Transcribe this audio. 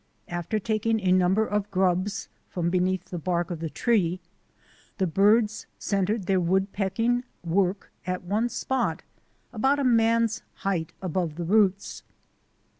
After taking a number of grubs from beneath the bark of the tree the birds centred their woodpecking work at one spot, about a man's height above the roots.